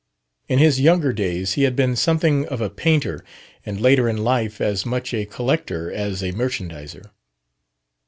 In his younger days he had been something of a painter, and later in life as much a collector as a merchandizer.